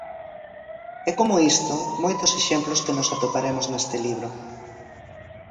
E como isto, moitos exemplos que nos atoparemos neste libro.